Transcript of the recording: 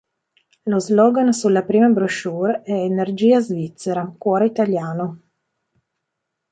Lo slogan sulla prima brochure è "energia svizzera, cuore italiano".